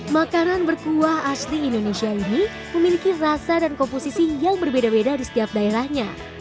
makanan berkuah asli indonesia ini memiliki rasa dan komposisi yang berbeda beda di setiap daerahnya